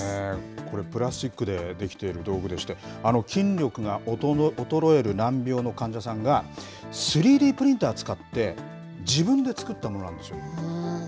これ、プラスチックで出来てる道具でして、筋力が衰える難病の患者さんが、３Ｄプリンターを使って自分で作ったものなんですよ。